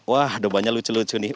wah dobanya lucu lucu nih